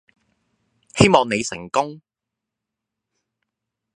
希望你成功